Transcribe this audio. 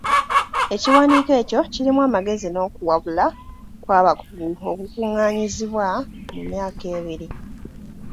Ekiwandiiko ekyo kirimu amagezi n'okuwabula kw'abakugu okwakuŋŋaanyizibwa mu myaka ebiri